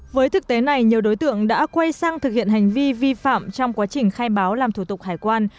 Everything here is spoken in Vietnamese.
với thực tế này nhiều đối tượng đã quay sang thực hiện hành vi vi phạm trong quá trình khai báo làm thủ tục hải quan